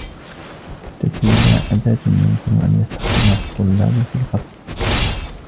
تتويبا أداة يمكن أن يستخدمها الطلاب في الفصل.